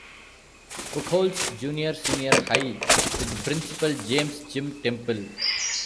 Buchholz Junior-Senior High, with Principal James "Jim" Temple.